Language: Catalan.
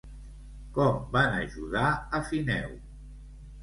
Com van ajudar a Fineu?